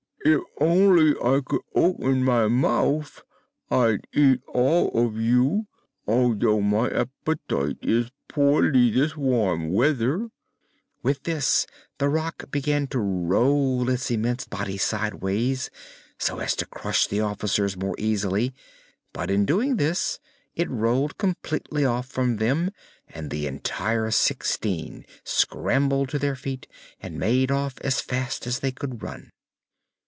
If only I could open my mouth, I'd eat all of you, although my appetite is poorly this warm weather." With this the Rak began to roll its immense body sidewise, so as to crush the officers more easily; but in doing this it rolled completely off from them and the entire sixteen scrambled to their feet and made off as fast as they could run.